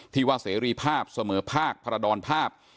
ที่ว่าเสรีภาพเสมอภาคพรดรภาพ